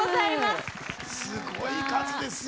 すごい数ですよ。